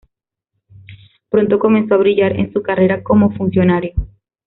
Pronto comenzó a brillar en su carrera como funcionario.